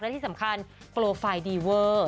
และที่สำคัญโปรไฟล์ดีเวอร์